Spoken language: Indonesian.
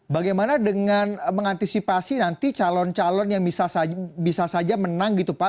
bagaimana dengan mengantisipasi nanti calon calon yang bisa saja menang gitu pak